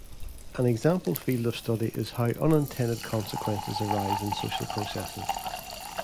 An example field of study is how unintended consequences arise in social processes.